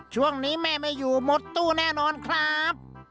ช่วงนี้แม่ไม่อยู่หมดตู้แน่นอนครับ